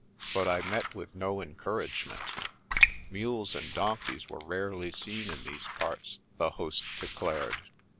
But I met with no encourage ment. Mules and donkeys were rarely seen in these parts, the host declared.